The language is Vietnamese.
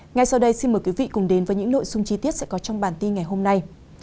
ngay sau đây xin mời quý vị cùng đến với những nội dung chi tiết sẽ có trong bản tin ngày hôm nay